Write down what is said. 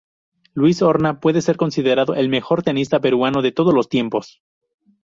Luis Horna puede ser considerado el mejor tenista peruano de todos los tiempos.